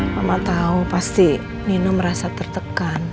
mama tahu pasti nino merasa tertekan